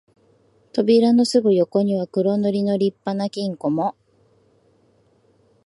扉のすぐ横には黒塗りの立派な金庫も、